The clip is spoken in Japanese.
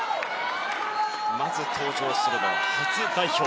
まず、登場するのは初代表。